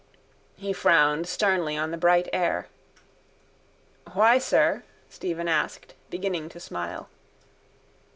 He frowned sternly on the bright air. —Why, sir? Stephen asked, beginning to smile.